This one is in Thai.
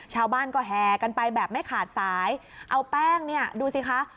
ชาวบ้านก็แห่กันไปแบบไม่ขาดสายเอาแป้งเนี่ยดูสิคะ